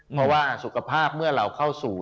เพราะว่าสุขภาพเมื่อเราเข้าสู่